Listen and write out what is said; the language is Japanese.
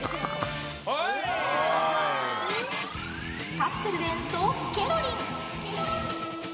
カプセルで演奏、ケロリン！